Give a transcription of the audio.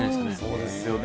そうですよね。